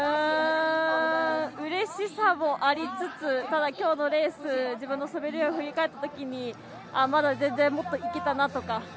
うれしさもありつつただ、今日のレース自分の滑りを振り返ったときにまだ、全然もっと行けたなとか。